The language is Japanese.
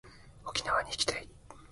沖縄に行きたい